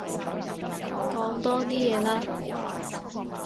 講多啲嘢啦